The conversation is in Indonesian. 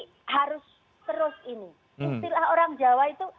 istilah orang jawa itu